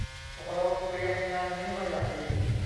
พวกเราเตรียมงานนี้มาอย่างดี